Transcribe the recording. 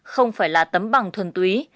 không phải là tấm bằng thuần túy